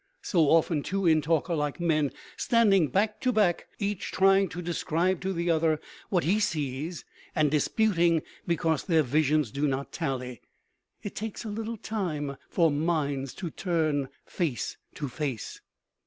So often two in talk are like men standing back to back, each trying to describe to the other what he sees and disputing because their visions do not tally. It takes a little time for minds to turn face to face.